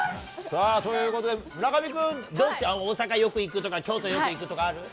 さあ、ということで、村上君どっち、大阪、よく行くとか、京都よく行くとかある？